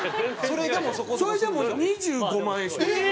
それでも２５万円します。